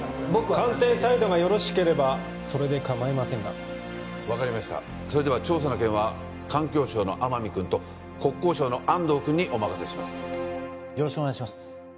官邸サイドがよろしければそれでかまいませんが分かりましたそれでは調査の件は環境省の天海君と国交省の安藤君にお任せしますよろしくお願いします